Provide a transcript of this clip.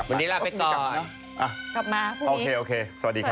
ผมก็อย่าลืมเก็บนางผมพวกเรานะคะ